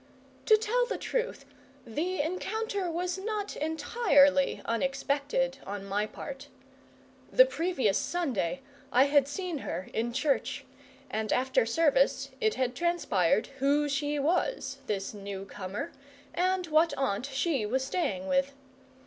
To tell the truth, the encounter was not entirely unexpected on my part. The previous Sunday I had seen her in church, and after service it had transpired who she was, this new comer, and what aunt she was staying with.